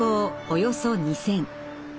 およそ２，０００。